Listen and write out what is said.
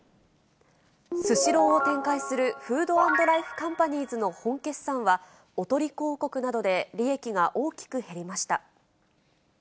スシローを展開するフード＆ライフカンパニーズの本決算は、おとり広告などで利益が大きく減りました。